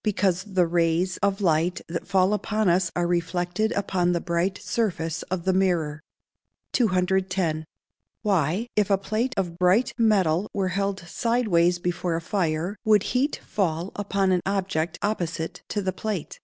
_ Because the rays of light that fall upon us are reflected upon the bright surface of the mirror. 210. _Why, if a plate of bright metal were held sideways before a fire, would heat fall upon an object opposite to the plate?